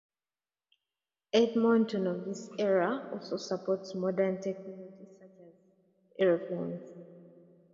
Edmonton of this era also sports modern technology such as airplanes.